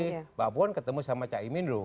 mbak puan ketemu sama caimin loh